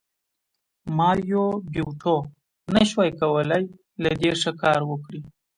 ماریو بیوټو نشوای کولی له دې ښه کار وکړي